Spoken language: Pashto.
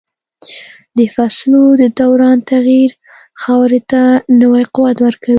د فصلو د دوران تغییر خاورې ته نوی قوت ورکوي.